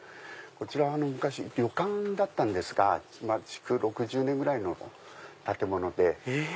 こちらは昔旅館だったんですが今築６０年ぐらいの建物で。